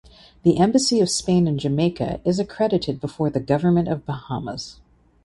The Embassy of Spain in Jamaica is accredited before the Government of Bahamas.